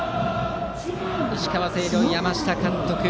石川・星稜の山下監督